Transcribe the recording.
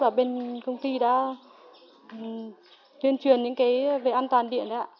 và bên công ty đã tuyên truyền những cái về an toàn điện đấy ạ